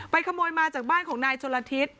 ขโมยมาจากบ้านของนายชนละทิศ